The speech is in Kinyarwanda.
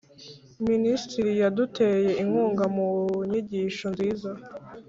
minisitiri yaduteye inkunga mu nyigisho nziza.